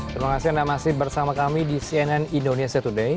terima kasih anda masih bersama kami di cnn indonesia today